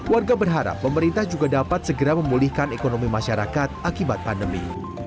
warga berharap pemerintah juga dapat segera memulihkan ekonomi masyarakat akibat pandemi